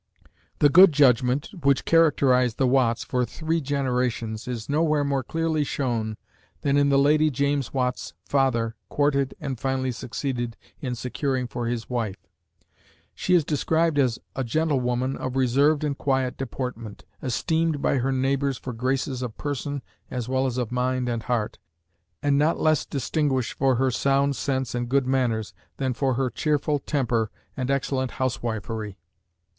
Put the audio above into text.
The good judgment which characterised the Watts for three generations is nowhere more clearly shown than in the lady James Watt's father courted and finally succeeded in securing for his wife. She is described as a gentlewoman of reserved and quiet deportment, "esteemed by her neighbours for graces of person as well as of mind and heart, and not less distinguished for her sound sense and good manners than for her cheerful temper and excellent housewifery."